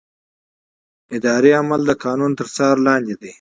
اداري عمل د قانون تر څار لاندې دی.